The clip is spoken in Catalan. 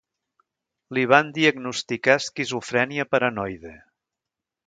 Li van diagnosticar esquizofrènia paranoide.